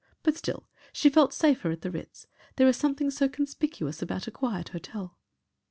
But still, she felt safer at the Ritz there is something so conspicuous about a quiet hotel.